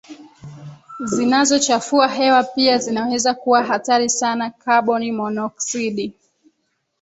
zinazochafua hewa pia zinaweza kuwa hatari sana Kaboni monoksidi